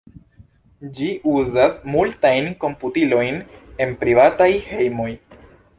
Ĝi uzas multajn komputilojn en privataj hejmoj.